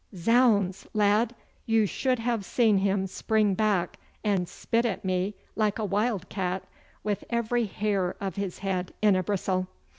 Zounds, lad! you should have seen him spring back and spit at me like a wildcat with every hair of his head in a bristle.